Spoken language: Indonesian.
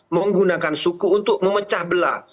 menggunakan suku untuk memecah belah